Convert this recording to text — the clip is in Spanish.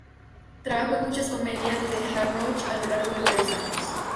Trabajó en muchas comedias de Hal Roach a lo largo de varios años.